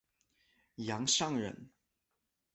杨善人。